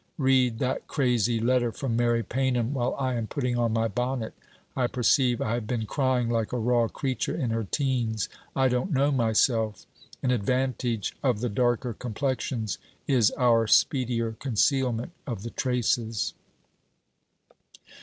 Read that crazy letter from Mary Paynham while I am putting on my bonnet. I perceive I have been crying like a raw creature in her teens. I don't know myself. An advantage of the darker complexions is our speedier concealment of the traces.'